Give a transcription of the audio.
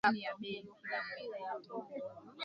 Huku serikali zinazopingana zikiwania madaraka.